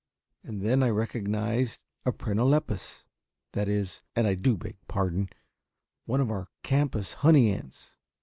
And then I recognized a Prenolepis, that is, and I do beg pardon, one of our campus honey ants.